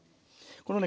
このね